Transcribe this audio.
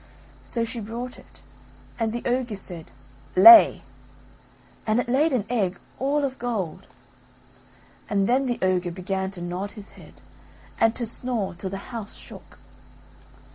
So she brought it, and the ogre said: "Lay," and it laid an egg all of gold. And then the ogre began to nod his head, and to snore till the house shook.